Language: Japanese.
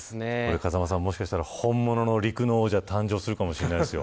風間さん、もしかしたら本物の陸の王者が誕生するかもしれませんよ。